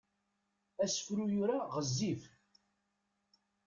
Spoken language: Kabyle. Asefru yura ɣezzif.